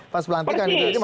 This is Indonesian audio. pas pelantikan itu masih lama